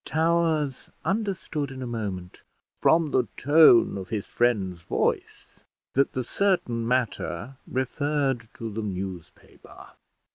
Towers understood in a moment, from the tone of his friend's voice, that the certain matter referred to the newspaper.